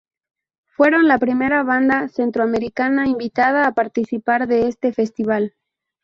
Fueron la primera banda centroamericana invitada a participar de este festival.